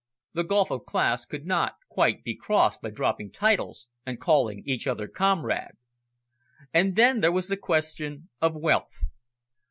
The gulf of class could not quite be crossed by dropping titles, and calling each other comrade. And then there was the question of wealth.